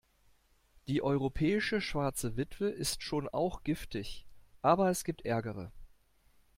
Die Europäische Schwarze Witwe ist schon auch giftig, aber es gibt ärgere.